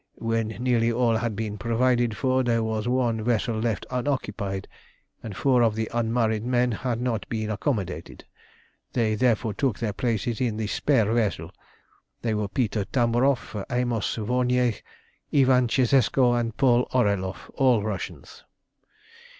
"When nearly all had been provided for, there was one vessel left unoccupied, and four of the unmarried men had not been accommodated. They therefore took their places in the spare vessel. They were Peter Tamboff, Amos Vornjeh, Ivan Tscheszco, and Paul Oreloff, all Russians.